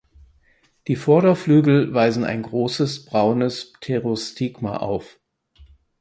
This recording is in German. Die Vorderflügel weisen ein großes braunes Pterostigma auf.